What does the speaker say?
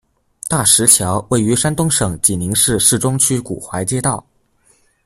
大石桥，位于山东省济宁市市中区古槐街道。